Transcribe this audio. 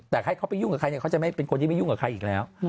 แต่ให้เขาไปยุ่งกับใครเนี่ยเขาจะไม่เป็นคนที่ไม่ยุ่งกับใครอีกแล้ว